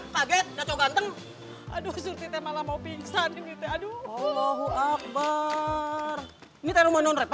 kaget ganteng ganteng aduh suruh kita malah mau pingsan ini aduh allahu akbar